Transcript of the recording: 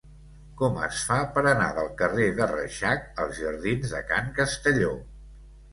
Com es fa per anar del carrer de Reixac als jardins de Can Castelló?